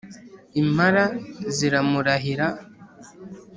impara ziramurahira